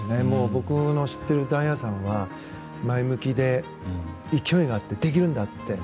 僕の知ってる大也さんは前向きで、勢いがあってできるんだって。